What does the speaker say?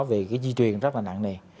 vì cái di truyền rất là nặng nề